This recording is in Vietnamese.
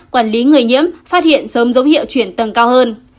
quản lý người nhiễm phát hiện sớm dấu hiệu chuyển tầng cao hơn